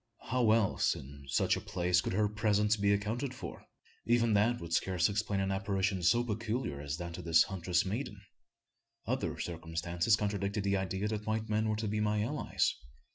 How else in such a place could her presence be accounted for? Even that would scarce explain an apparition so peculiar as that of this huntress maiden! Other circumstances contradicted the idea that white men were to be my allies.